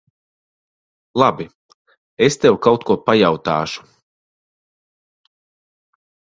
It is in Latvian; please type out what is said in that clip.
Labi. Es tev kaut ko pajautāšu.